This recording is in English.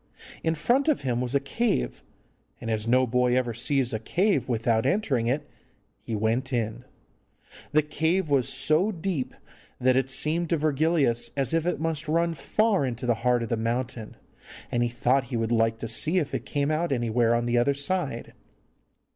In front of him was a cave, and, as no boy ever sees a cave without entering it, he went in. The cave was so deep that it seemed to Virgilius as if it must run far into the heart of the mountain, and he thought he would like to see if it came out anywhere on the other side.